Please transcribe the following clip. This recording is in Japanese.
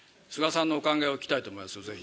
菅さんのお考えを聞きたいと思いますよ